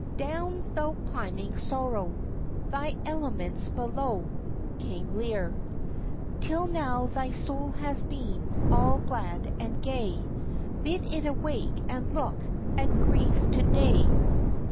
"Down thou climbing sorrow! Thy element's below." King Lear. "Till now thy soul has been All glad and gay: Bid it awake, and look At grief to day."